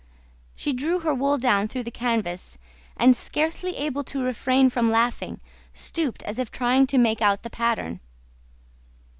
She drew her wool down through the canvas and, scarcely able to refrain from laughing, stooped as if trying to make out the pattern.